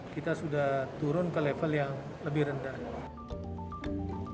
kita sudah turun ke level yang lebih rendah